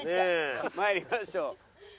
参りましょう。